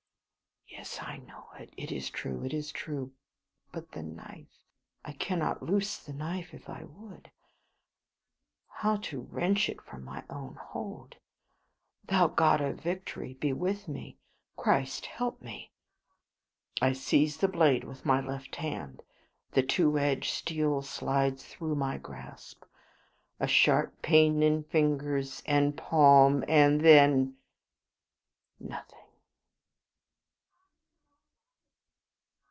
Yes, I know it. It is true, it is true. But the knife? I cannot loose the knife if I would. How to wrench it from my own hold? Thou God of Victory be with me! Christ help me! I seize the blade with my left hand; the two edged steel slides through my grasp; a sharp pain in fingers and palm; and then nothing.